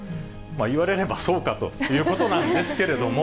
言われればそうかということなんですけれども。